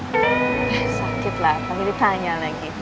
sakit lah paling ditanya lagi